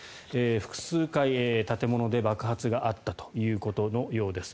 複数回、建物で爆発があったということのようです。